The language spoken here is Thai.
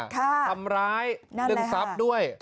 ทำร้ายเรื่องทรัพย์ด้วย